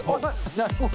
なるほど。